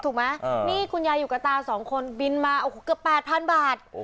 ถูกไหมนี่คุณยายอยู่กับตา๒คนบินมาโอ้โหเกือบ๘๐๐๐บาท